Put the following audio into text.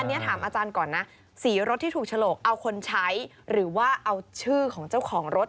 อันนี้ถามอาจารย์ก่อนนะสีรถที่ถูกฉลกเอาคนใช้หรือว่าเอาชื่อของเจ้าของรถ